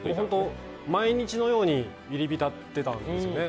毎日のように入り浸ってたんですよね。